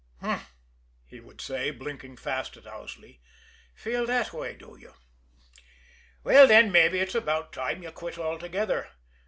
"H'm!" he would say, blinking fast at Owsley. "Feel that way, do you? Well, then, mabbe it's about time you quit altogether.